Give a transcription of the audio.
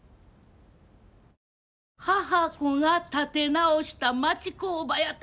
「母娘が立て直した町工場」やて。